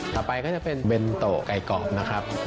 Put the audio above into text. ไปก็จะเป็นเบนโตไก่กรอบนะครับ